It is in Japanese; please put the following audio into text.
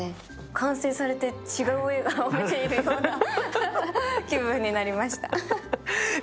完成されて違う映画を見ているような気分になりました。